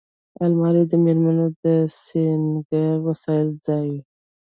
الماري د مېرمنو د سینګار وسیلو ځای وي